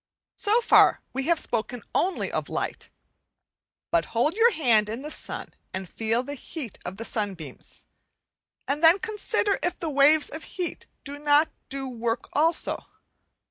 So far we have spoken only of light; but hold your hand in the sun and feel the heat of the sunbeams, and then consider if the waves of heat do not do work also.